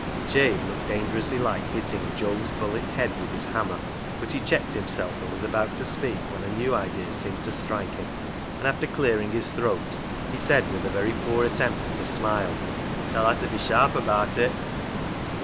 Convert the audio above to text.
Jabe looked dangerously like hitting Job's bullet head with his hammer, but he checked himself, and was about to speak, when a new idea seemed to strike him, and after clearing his throat he said, with a very poor attempt at a smile — "Tha'll ha' ta be sharp abaat it."